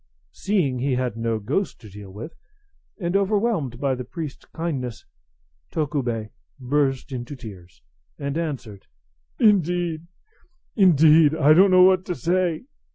Seeing he had no ghost to deal with, and overwhelmed by the priest's kindness, Tokubei burst into tears, and answered, "Indeed, indeed, I don't know what to say.